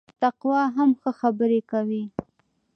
تقوا هم ښه خبري کوي